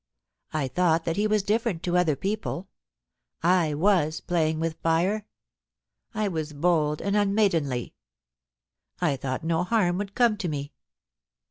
I thought that he was difierent to other people ; I was playing with fire ; I was bold and unmaidenly. I thought no harm could come to me.